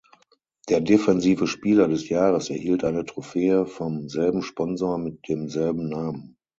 Der Defensive Spieler des Jahres erhielt eine Trophäe vom selben Sponsor mit demselben Namen.